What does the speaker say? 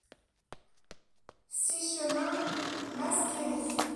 six chemin Masckeri